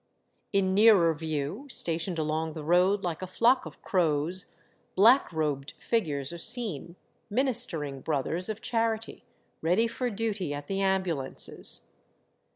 In nearer view, stationed along the road like a flock of crows, black robed figures are seen, ministering brothers of charity, ready for duty at the ambulances.